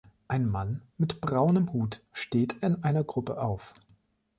Ein Mann mit braunem Hut steht in einer Gruppe auf.